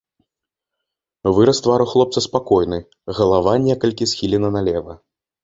Выраз твару хлопца спакойны, галава некалькі схілена налева.